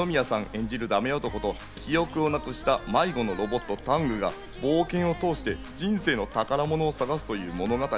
演じるダメ男と記憶をなくした迷子のロボット、タングが冒険を通して人生の宝物を探すという物語。